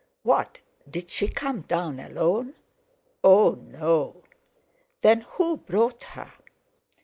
"What, did she come down alone?" "Oh, no!" "Then—who brought her?"